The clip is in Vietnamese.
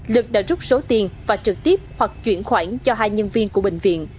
lực đã rút số tiền và trực tiếp hoặc chuyển khoản cho hai nhân viên của bệnh viện